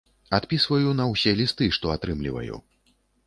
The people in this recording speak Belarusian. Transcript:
Адпісваю на ўсе лісты, што атрымліваю.